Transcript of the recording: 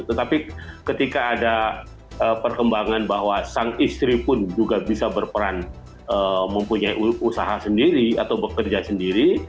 tetapi ketika ada perkembangan bahwa sang istri pun juga bisa berperan mempunyai usaha sendiri atau bekerja sendiri